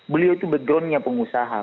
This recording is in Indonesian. beliau itu backgroundnya pengusaha